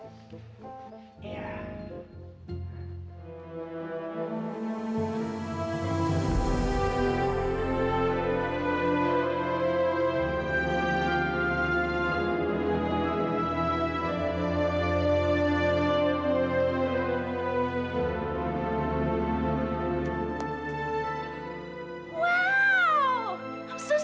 aku ngerasa kayak selebriti